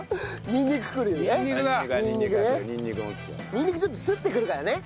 にんにくちょっとすって来るからね。